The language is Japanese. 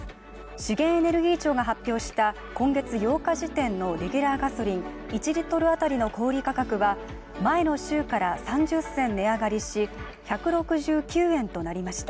資源エネルギー庁が発表した今月８日時点のレギュラーガソリン１リットルあたりの小売価格が前の週から３０銭値上がりし、１６９円となりました。